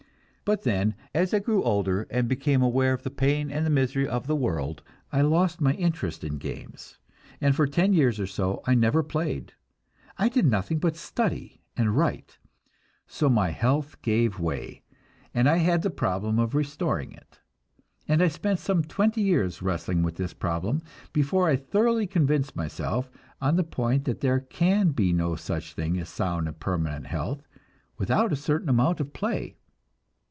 But then, as I grew older, and became aware of the pain and misery of the world, I lost my interest in games, and for ten years or so I never played; I did nothing but study and write. So my health gave way, and I had the problem of restoring it, and I spent some twenty years wrestling with this problem, before I thoroughly convinced myself on the point that there can be no such thing as sound and permanent health without a certain amount of play.